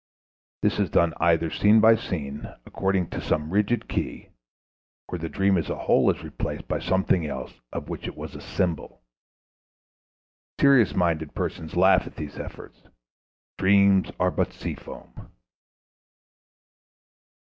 This is done either scene by scene, according to some rigid key, or the dream as a whole is replaced by something else of which it was a symbol. Serious minded persons laugh at these efforts "Dreams are but sea foam!"